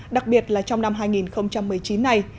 đặc biệt là trong năm hai nghìn một mươi chín này